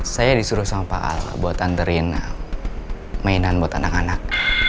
saya disuruh sama pak al buat anterin mainan buat anak anak